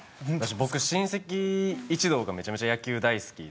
僕親戚一同がめちゃめちゃ野球大好きで。